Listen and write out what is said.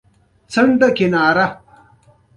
د ټولګټو وزارت بودیجه څومره ده؟